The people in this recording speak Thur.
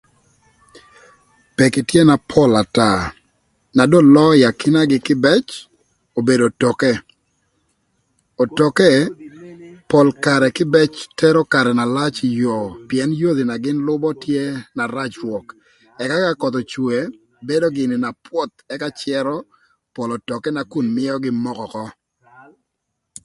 Peki tye na pol ata, na dong löö ï akinagï kïbëc obedo otoke, otoke, pol karë kïbëc tero karë na lac ï yoo pïën yodhi na gïn lübö tye na rac rwök ëka ka köth ocwee, bedo gïnï na pwöth ëka cërö pol otoke nakun mïögï moko ökö.